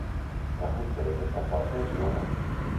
La fusta d'aquesta porta és nova.